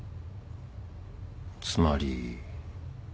つまり。